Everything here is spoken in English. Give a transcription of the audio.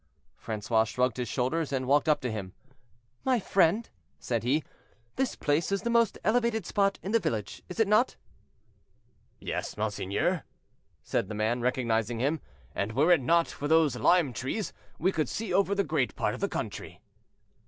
Francois shrugged his shoulders and walked up to him. "My friend," said he, "this place is the most elevated spot in the village, is it not?" "Yes, monseigneur," said the man, recognizing him, "and were it not for those lime trees, we could see over a great part of the country."